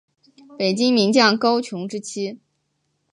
北宋名将高琼之妻。